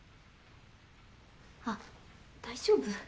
あっ大丈夫？